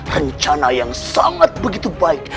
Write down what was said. rencana yang sangat begitu baik